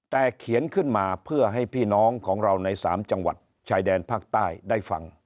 แต่เขียนขึ้นมาเพื่อให้พี่น้องของเราใน๓จังหวัดชายแดนภาคใต้ได้ฟัง